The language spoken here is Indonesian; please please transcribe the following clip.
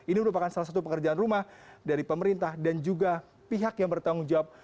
ini merupakan salah satu pekerjaan rumah dari pemerintah dan juga pihak yang bertanggung jawab